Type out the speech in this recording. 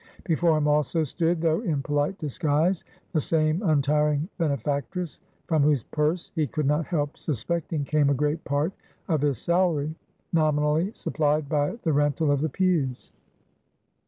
Before him also, stood though in polite disguise the same untiring benefactress, from whose purse, he could not help suspecting, came a great part of his salary, nominally supplied by the rental of the pews.